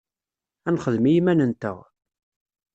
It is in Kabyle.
Ad nexdem i yiman-nteɣ.